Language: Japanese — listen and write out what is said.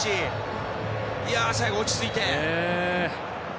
最後、落ち着いて。